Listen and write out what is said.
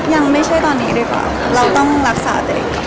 ยังไม่ใช่ตอนนี้ดีกว่าเราต้องรักษาตัวเอง